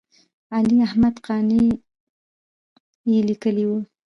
علي احمد قانع یې لیکلی و.